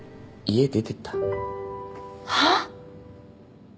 はっ？